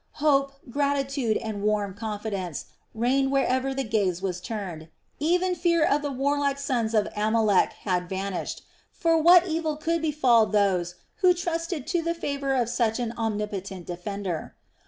Hope, gratitude, and warm confidence reigned wherever the gaze was turned, even fear of the warlike sons of Amalek had vanished; for what evil could befall those who trusted to the favor of such an Omnipotent Defender.